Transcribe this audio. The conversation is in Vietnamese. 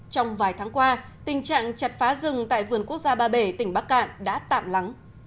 trong vài tháng qua tình trạng chặt phá rừng tại vườn quốc gia ba bể tỉnh bắc cạn đã tạm lắng